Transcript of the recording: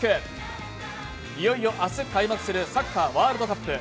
いよいよ明日開幕するサッカーワールドカップ。